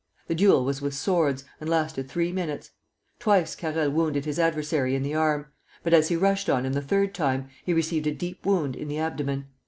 The duel was with swords, and lasted three minutes. Twice Carrel wounded his adversary in the arm; but as he rushed on him the third time, he received a deep wound in the abdomen.